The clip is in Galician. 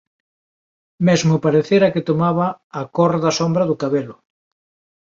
Mesmo parecera que tomaba a cor da sombra do cabelo.